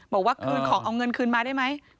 บอกว่าคืนของเอาเงินคืนมาได้ไหม